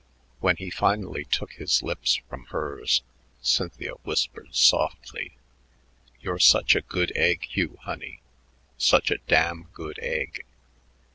When he finally took his lips from hers, Cynthia whispered softly, "You're such a good egg, Hugh honey, such a damn good egg."